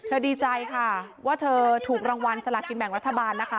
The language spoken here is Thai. เราก็ดีใจค่ะว่าเธอถูกรางวัลสลักกินแบบกฏบันนะคะ